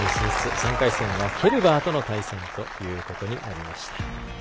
３回戦はケルバーとの対戦ということになりました。